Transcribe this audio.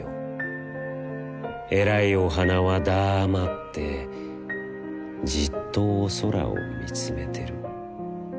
えらいお花はだァまって、じっとお空をみつめてる。